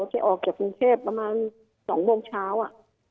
จะออกจากกรุงเทพประมาณ๒โมงเช้าอ่ะ